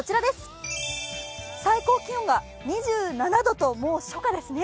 最高気温が２７度と、もう初夏ですね。